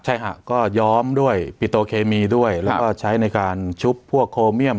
ใช่ฮะก็ย้อมด้วยปิโตเคมีด้วยแล้วก็ใช้ในการชุบพวกโคเมียม